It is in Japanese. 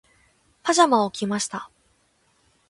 パジャマを着ました。